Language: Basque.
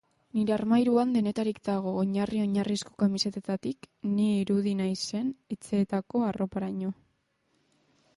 Nire armairuan denetarik dago, oinarri-oinarrizko kamisetetatik ni irudi naizen etxeetako arroparaino.